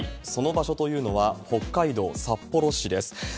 その場所というのは、北海道札幌市です。